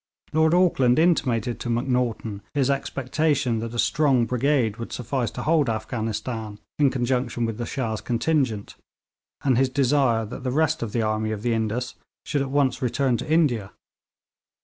Lord Auckland intimated to Macnaghten his expectation that a strong brigade would suffice to hold Afghanistan in conjunction with the Shah's contingent, and his desire that the rest of the army of the Indus should at once return to India.